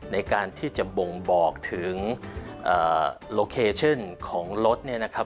ในการที่จะบ่งบอกถึงโลเคชั่นของรถเนี่ยนะครับ